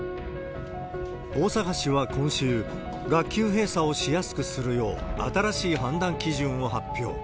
大阪市は今週、学級閉鎖をしやすくするよう、新しい判断基準を発表。